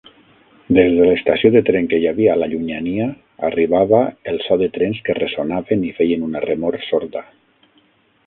Des de l'estació de tren que hi havia a la llunyania arribava el so de trens que ressonaven i feien una remor sorda.